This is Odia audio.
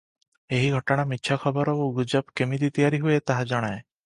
ଏହି ଘଟଣା ମିଛ ଖବର ଓ ଗୁଜବ କେମିତି ତିଆରି ହୁଏ ତାହା ଜଣାଏ ।